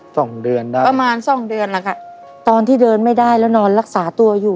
สองเดือนได้ประมาณสองเดือนแล้วค่ะตอนที่เดินไม่ได้แล้วนอนรักษาตัวอยู่